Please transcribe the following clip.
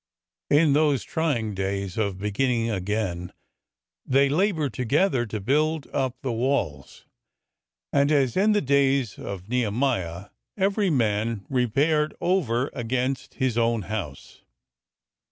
In those trying days of beginning again they labored together to build up the walls, and, as in the days of Ne 406 BEGINNINGS AND ENDINGS 407 hemiah, every man repaired over against his own house.